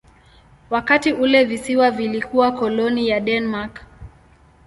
Wakati ule visiwa vilikuwa koloni ya Denmark.